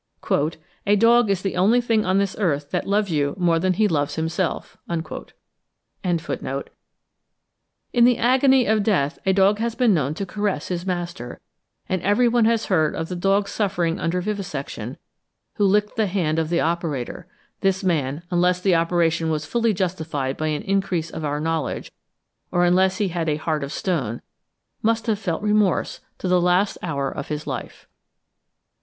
"A dog is the only thing on this earth that luvs you more than he luvs himself." In the agony of death a dog has been known to caress his master, and every one has heard of the dog suffering under vivisection, who licked the hand of the operator; this man, unless the operation was fully justified by an increase of our knowledge, or unless he had a heart of stone, must have felt remorse to the last hour of his life.